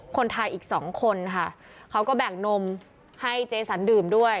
คนไทยอีกสองคนค่ะเขาก็แบ่งนมให้เจสันดื่มด้วย